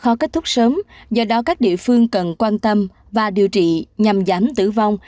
khó kết thúc sớm do đó các địa phương cần quan tâm và điều trị nhằm giảm tử vong